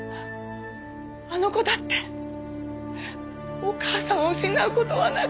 あの子だってお母さんを失う事はなかった。